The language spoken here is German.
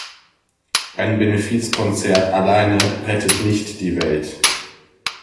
Ein Benefizkonzert alleine rettet nicht die Welt.